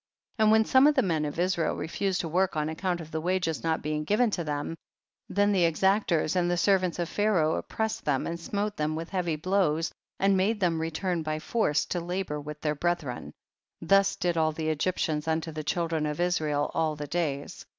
29. And when some of the men of Israel refused to work on account of the wages not being given to them, then the exactors and the servants of Pharaoh oppressed them and smote them with heavy blows, and made them return by force, to labor with their brethren ; thus did all the THE BOOK OF JASHER. 207 Egyptians unto the children of Israel all the days.